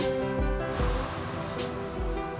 lo gak sadar gak sih